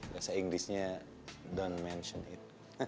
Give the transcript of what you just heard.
bahasa inggrisnya don't mention it